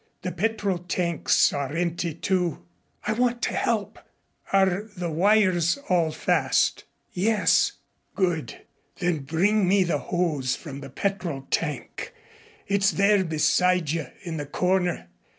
The petrol tanks are empty, too." "I want to help." "Are the wires all fast?" "Yes." "Good. Then bring me the hose from the petrol tank. It's there beside you in the corner.